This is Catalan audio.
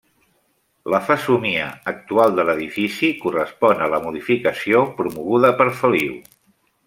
La fesomia actual de l'edifici correspon a la modificació promoguda per Feliu.